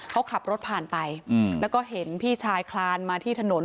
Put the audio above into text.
เขาขับรถผ่านไปแล้วก็เห็นพี่ชายคลานมาที่ถนน